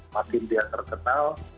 makin dia terkenal